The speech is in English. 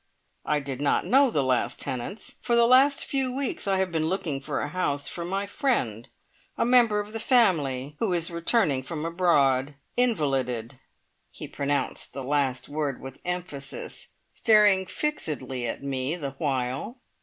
I did not know the last tenants. For the last few weeks I have been looking for a house for my friend a member of the family who is returning from abroad. Invalided!" He pronounced the last word with emphasis, staring fixedly at me the while.